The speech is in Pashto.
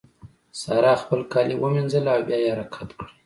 سارا خپل کالي ومينځل او بيا يې کت کړې.